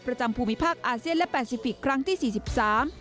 ภูมิภาคอาเซียนและแปดซิปิกครั้งที่สี่สิบสาม